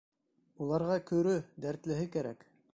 Уларға көрө, дәртлеһе кәрәк.